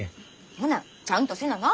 ほなちゃんとせなな。